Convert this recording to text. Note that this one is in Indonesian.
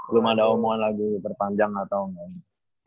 belum ada omongan lagi terpanjang gak tau